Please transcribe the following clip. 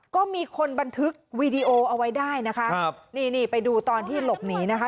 ก็มีคนบันทึกวีดีโอเอาไว้ได้นะคะครับนี่นี่ไปดูตอนที่หลบหนีนะคะ